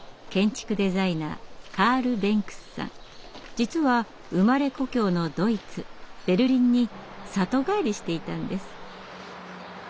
実は生まれ故郷のドイツ・ベルリンに里帰りしていたんです。